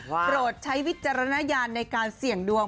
โปรดใช้วิจารณญาณในการเสี่ยงดวง